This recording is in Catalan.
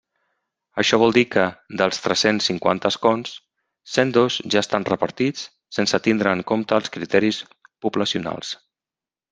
Això vol dir que, dels tres-cents cinquanta escons, cent dos ja estan repartits sense tindre en compte els criteris poblacionals.